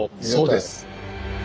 そうです！